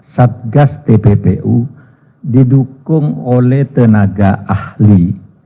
satgas tppu didukung oleh tenaga ahli